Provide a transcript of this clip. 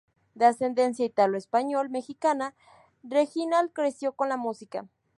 De ascendencia italo-español-mexicana, Reginald creció con la música.